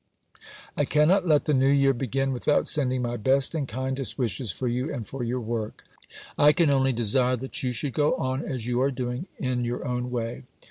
_) I cannot let the new year begin without sending my best and kindest wishes for you and for your work: I can only desire that you should go on as you are doing, in your own way.